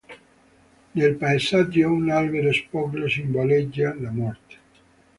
Nel paesaggio un albero spoglio simboleggia la morte.